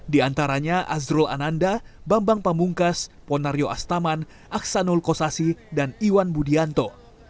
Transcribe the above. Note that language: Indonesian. di antaranya azrul ananda bambang pamungkas ponario astaman aksanul kosasi dan iwan budianto